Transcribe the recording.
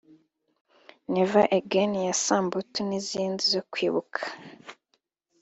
’Never Again’ ya Samputu n’izindi zo kwibuka